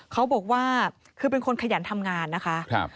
เขาบอกว่าคือเป็นคนขยันทำงานนะคะ